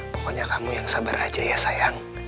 pokoknya kamu yang sabar aja ya sayang